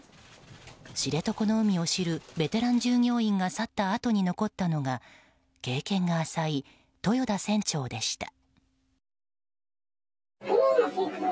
知床の海を知るベテラン従業員が去ったあとに残ったのが経験が浅い豊田船長でした。